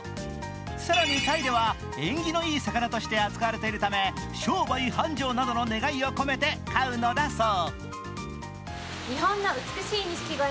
更にタイでは、縁起のいい魚として扱われているため商売繁盛などの願いを込めて飼うのだそう。